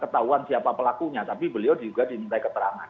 ketahuan siapa pelakunya tapi beliau juga diminta keterangan